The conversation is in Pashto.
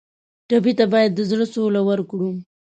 ټپي ته باید د زړه سوله ورکړو.